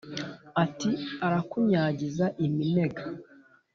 Ati: Arakunyagiza iminega,